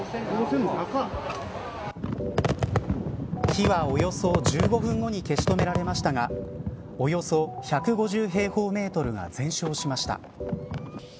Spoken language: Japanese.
火はおよそ１５分後に消し止められましたがおよそ１５０平方メートルが全焼しました。